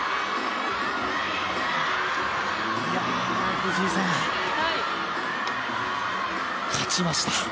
藤井さん、勝ちました。